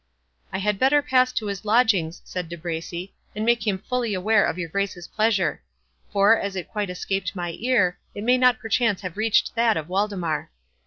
"I had better pass to his lodgings," said De Bracy, "and make him fully aware of your Grace's pleasure; for, as it quite escaped my ear, it may not perchance have reached that of Waldemar."